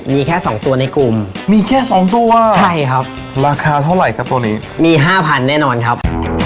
มีแค่สองตัวในกลุ่มมีแค่สองตัวใช่ครับราคาเท่าไหร่ครับตัวนี้มีห้าพันแน่นอนครับ